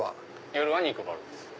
夜は肉バルです。